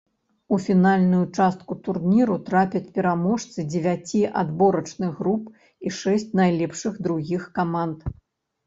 У фінальную частку турніру трапяць пераможцы дзевяці адборачных груп і шэсць найлепшых другіх каманд.